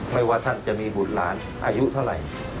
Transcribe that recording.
ว่าท่านจะมีบุตรหลานอายุเท่าไหร่